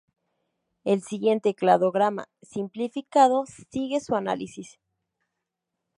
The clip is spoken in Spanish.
El siguiente cladograma simplificado sigue su análisis.